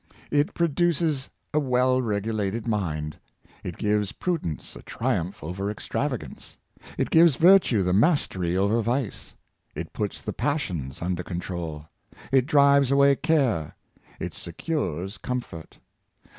It produces a well regulated mind; it gives prudence a triumph over ex travagance; it gives virtue the mastery over vice; it puts the passions under control; it drives away care; it secures comfort.